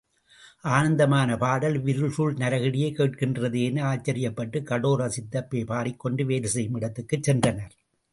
ஆனந்தமான பாடல் இவ்விருள்குழ், நரகிடையே கேட்கின்றதே என ஆச்சரியப்பட்டுக் கடோர சித்தப்பேய் பாடிக்கொண்டு வேலை செய்யும் இடத்துக்குச் சென்றனர்.